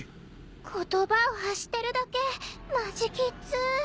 言葉を発してるだけマジキッツ。